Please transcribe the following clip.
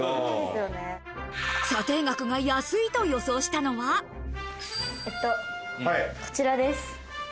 査定額が安いと予想したのはこちらです。